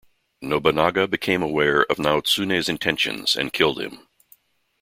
Nobunaga became aware of Naotsune's intentions, and killed him.